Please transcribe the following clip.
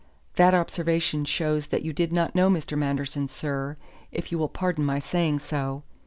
"That observation shows that you did not know Mr. Manderson, sir, if you will pardon my saying so.